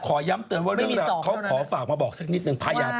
ขอย้ำเติมว่าเรื่องราวเขาขอฝากมาบอกสักนิดนึงพญาเต่าง้อย